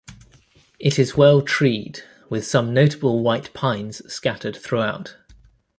It is well treed, with some notable white pines scattered throughout.